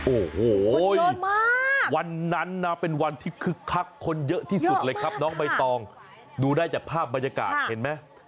โอ้โหวันนั้นนะเป็นวันที่คึกคักคนเยอะที่สุดเลยครับน้องใบตองดูได้จากภาพบรรยากาศเห็นไหม